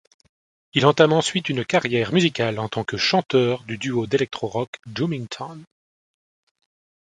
Il entame ensuite une carrière musicale en tant que chanteur du duo d'électro-rock Doomington.